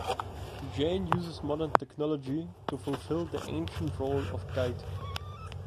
Jane uses modern technology to fulfill the ancient role of guide.